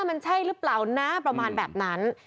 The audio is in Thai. มันใช่หรือเปล่านะประมาณแบบนั้น